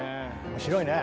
面白いね。